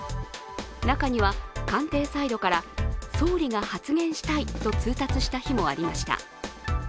中には、官邸サイドから総理が発言したいと通達した日もありました。